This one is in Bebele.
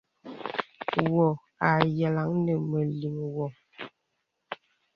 Wɔ à yàlaŋ nə mə̀ liŋ wɔ.